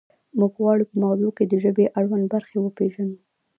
موږ غواړو په مغزو کې د ژبې اړوند برخې وپیژنو